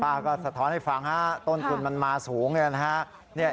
ป้าก็สะท้อนให้ฟังต้นขุนมันมาสูงเลยนะครับ